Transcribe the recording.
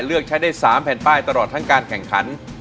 เลือกใช้ได้๓แผ่นป้ายตลอดทั้งการแข่งขัน